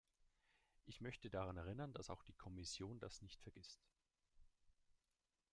Ich möchte daran erinnern, dass auch die Kommission das nicht vergißt.